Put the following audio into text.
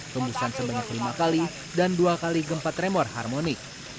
hembusan sebanyak lima kali dan dua kali gempat remor harmonik